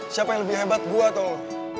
siapa yang lebih hebat gue atau lo